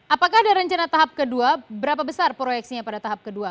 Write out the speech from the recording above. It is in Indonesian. apakah ada rencana tahap kedua berapa besar proyeksinya pada tahap kedua